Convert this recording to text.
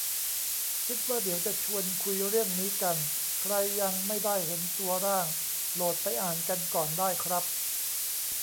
คิดว่าเดี๋ยวจะชวนคุยเรื่องนี้กัน ใครยังไม่ได้เห็นตัวร่าง โหลดไปอ่านกันก่อนได้ครับ